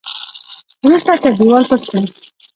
وروسته تر دېوال پټ شو.